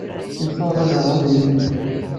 Yessaweḍ ad iɣer adlis-nni.